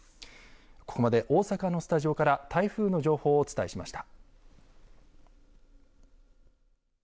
ここまで大阪のスタジオから台風の情報をお伝えしました。